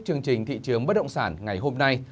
chương trình thị trường bất động sản ngày hôm nay